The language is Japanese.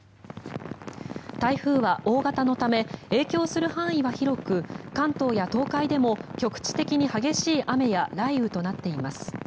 台風は大型のため影響する範囲は広く関東や東海でも局地的に激しい雨や雷雨になっています。